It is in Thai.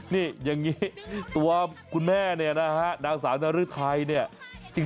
นี่อย่างนี้ตัวคุณแม่เนี่ยนะฮะนางสาวนรึทัยเนี่ย